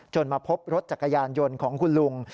มาพบรถจักรยานยนต์ของคุณลุง